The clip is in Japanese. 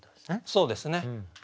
そうですね。